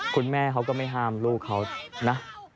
คุณแม่เขาก็ไม่ห้ามลูกเขานะ